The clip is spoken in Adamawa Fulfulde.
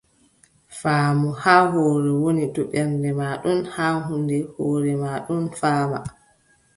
Faamu haa hoore woni, to ɓernde maa non haa huunde, hoore maa non faama.